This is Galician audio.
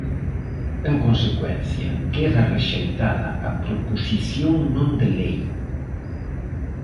En consecuencia, queda rexeitada a proposición non de lei.